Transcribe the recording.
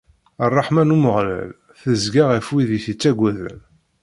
Ṛṛeḥma n Umeɣlal tezga ɣef wid i t-ittaggaden.